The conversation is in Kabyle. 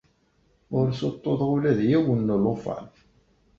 Ur ssuṭṭuḍeɣ ula d yiwen n ulufan.